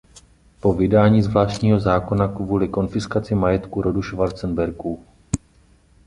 Po vydání zvláštního zákona kvůli konfiskaci majetku rodu Schwarzenbergů..